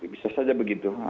bisa saja begitu